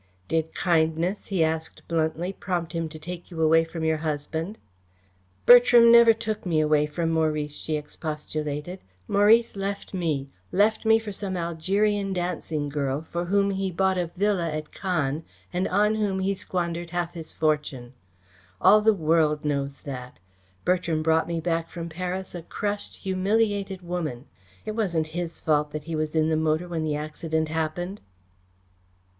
"Did kindness," he asked bluntly, "prompt him to take you away from your husband?" "Bertram never took me away from Maurice," she expostulated. "Maurice left me left me for some Algerian dancing girl, for whom he bought a villa at Cannes and on whom he squandered half his fortune. All the world knows that. Bertram brought me back from Paris a crushed, humiliated woman. It wasn't his fault that he was in the motor when the accident happened."